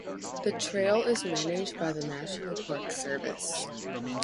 The trail is managed by the National Park Service.